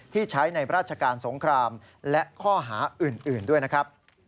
ที่ใช้ในราชการสงครามและข้อหาอื่นด้วยนะครับ